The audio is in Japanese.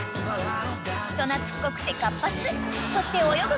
［人懐っこくて活発そして泳ぐことが大好き］